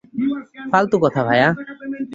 ফালতু কথা, ভায়া।